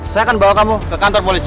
saya akan bawa kamu ke kantor polisi